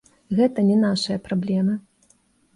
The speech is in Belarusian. Гэта не нашыя праблемы.